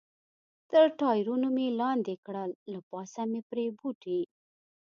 تر ټایرونو مې لاندې کړل، له پاسه مې پرې بوټي.